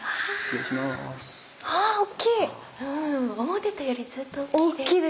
思ってたよりずっと大きい。